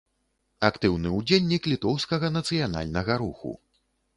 Актыўны ўдзельнік літоўскага нацыянальнага руху.